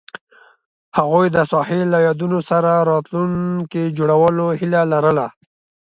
هغوی د ساحل له یادونو سره راتلونکی جوړولو هیله لرله.